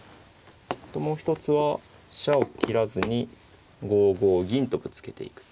あともう一つは飛車を切らずに５五銀とぶつけていく手。